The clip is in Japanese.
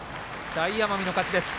大奄美の勝ちです。